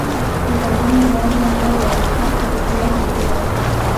په ژړغوني اواز یې راته ویل کاشکې دې پلار ژوندی وای.